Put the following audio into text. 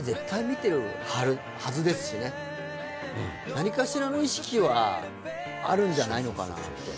何かしらの意識はあるんじゃないのかな。